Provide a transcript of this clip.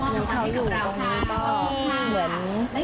เดี๋ยวเค้าอยู่ตรงนี้ก็เหมือน